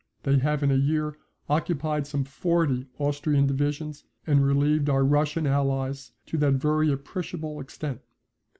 They have in a year occupied some forty Austrian divisions, and relieved our Russian allies to that very appreciable extent.